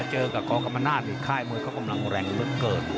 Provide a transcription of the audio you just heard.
เจอกับกองกรรมนาศนี่ค่ายมวยเขากำลังแรงเหลือเกิน